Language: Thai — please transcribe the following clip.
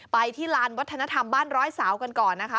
ที่ลานวัฒนธรรมบ้านร้อยสาวกันก่อนนะคะ